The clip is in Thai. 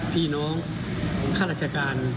พี่น้องข้าราชการ